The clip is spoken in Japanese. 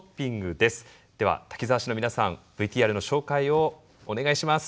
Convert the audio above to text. では滝沢市の皆さんＶＴＲの紹介をお願いします。